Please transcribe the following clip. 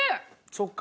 そっか。